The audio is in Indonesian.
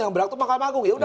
yang berat itu mahkamah agung